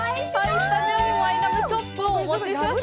スタジオにもワインラムチョップをお持ちしました。